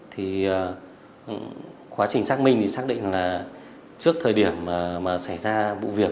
thì quá trình xác minh thì xác định là trước thời điểm mà xảy ra vụ việc